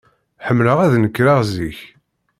Ḥemmleɣ ad nekreɣ zik.